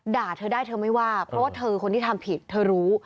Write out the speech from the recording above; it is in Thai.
เธอได้เธอไม่ว่าเพราะว่าเธอคนที่ทำผิดเธอรู้